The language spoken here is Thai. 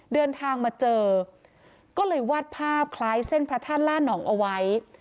เดินทางมาเจอก็เลยวาดภาพคล้ายเส้นพระธาตุล่านองเอาไว้